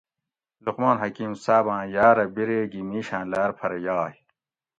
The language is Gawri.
لقمان حکیم صاباۤں یاۤرہ بِیرے گھی مِیشاۤں لاۤر پھر یائے